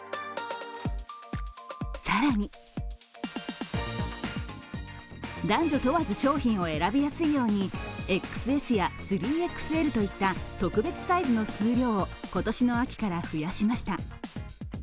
更に男女問わず商品を選びやすいようにＸＳや３ＸＬといった特別サイズの数量を今年の秋から増やしました。